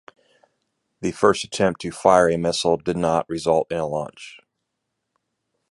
The first attempt to fire a missile did not result in a launch.